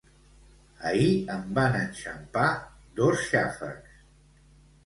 Ahir em van enxampar dos xàfecs